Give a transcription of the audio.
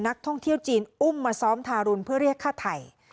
นักท่องเที่ยวจีนอุ้มมาซ้อมทารุณเพื่อเรียกฆ่าไทย